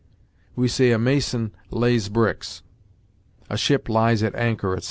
We say, "A mason lays bricks," "A ship lies at anchor," etc.